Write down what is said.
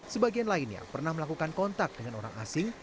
sebagian lain yang pernah melakukan kontak dengan orang asing